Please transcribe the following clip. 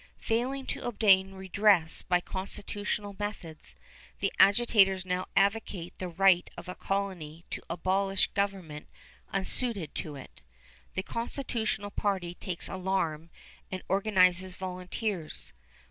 Failing to obtain redress by constitutional methods, the agitators now advocate the right of a colony to abolish government unsuited to it. The constitutional party takes alarm and organizes volunteers.